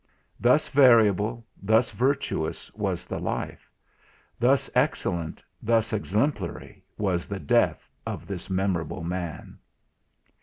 Thus variable, thus virtuous was the life; thus excellent, thus exemplary was the death of this memorable man.